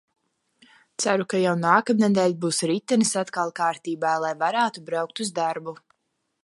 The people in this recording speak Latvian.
Ceru, ka jau nākamnedēļ būs ritenis atkal kārtībā, lai varētu braukt uz darbu.